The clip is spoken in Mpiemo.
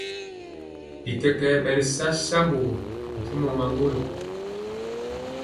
Bikɛkɛ ɓɛ ri sa sambugu bimpumɔ maŋgolo.